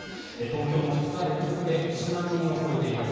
東京も２日連続で１万人を超えています。